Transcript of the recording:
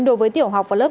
đối với tiểu học và lớp sáu